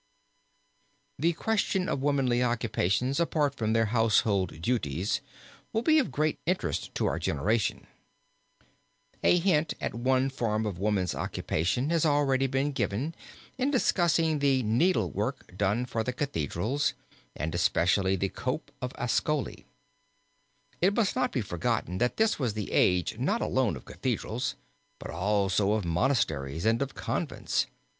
] The question of womanly occupations apart from their household duties will be of great interest to our generation. {opp328} MARRIAGE OF THE BLESSED VIRGIN (GIOTTO, PADUA) A hint of one form of woman's occupation has already been given in discussing the needlework done for the Cathedrals and especially the Cope of Ascoli. It must not be forgotten that this was the age not alone of Cathedrals but also of monasteries and of convents.